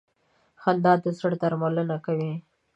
• خندا د زړه درملنه کوي.